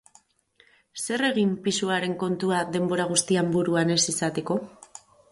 Zer egin pisuaren kontua denbora guztian buruan ez izateko?